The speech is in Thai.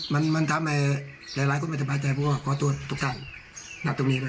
มันมันทำให้หลายหลายคนไม่สบายใจเพราะว่าขอโทษทุกท่านนับตรงนี้เลย